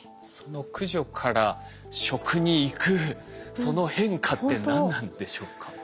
その駆除から食に行くその変化って何なんでしょうか？